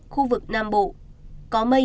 khu vực nam bộ có mây